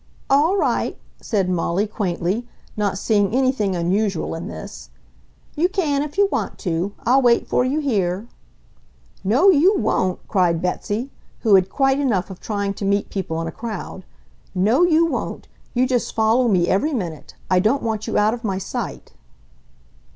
"All right," said Molly quaintly, not seeing anything unusual in this. "You can, if you want to. I'll wait for you here." "No, you won't!" cried Betsy, who had quite enough of trying to meet people in a crowd. "No, you won't! You just follow me every minute! I don't want you out of my sight!"